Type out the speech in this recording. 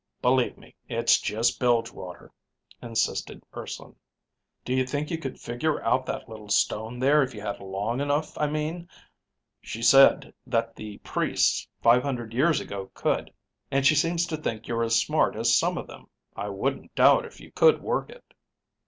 "Believe me, it's just bilge water," insisted Urson. "Do you think you could figure out that little stone there, if you had long enough, I mean? She said that the priests five hundred years ago could, and she seems to think you're as smart as some of them. I wouldn't doubt if you could work it."